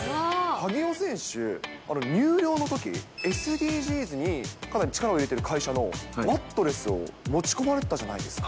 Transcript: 萩尾選手、入寮のとき、ＳＤＧｓにかなり力を入れてる会社のマットレスを持ち込まれたじゃないですか。